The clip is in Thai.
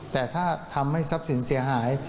แต่ถ้าทำให้ทรัพย์สินเสียหาย